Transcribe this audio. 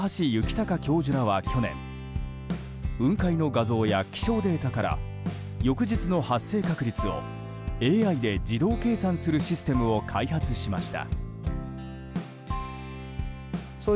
太教授らは去年雲海の画像や気象データから翌日の発生確率をＡＩで自動計算するシステムを開発しました。